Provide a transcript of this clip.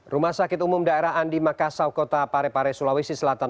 rumah sakit umum daerah andi makassau kota parepare sulawesi selatan